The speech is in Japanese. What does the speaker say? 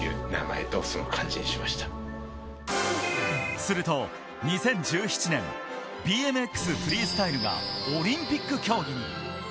すると２０１７年、ＢＭＸフリースタイルがオリンピック競技に。